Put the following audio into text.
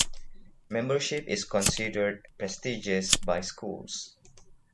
Membership is considered prestigious by schools.